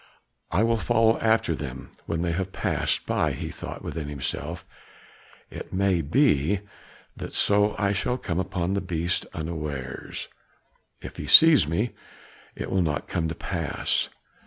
"I will follow after them when they have passed by," he thought within himself. "It may be that so I shall come upon the beast unawares; if he sees me, it will not come to pass."